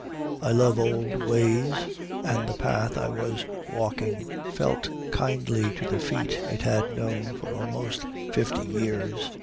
I love old ways, and the path I was walking felt kindly to the feet it had known for almost fifty years.